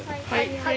はい！